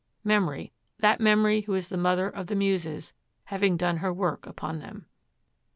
Memory that Memory who is the mother of the Muses having done her work upon them.'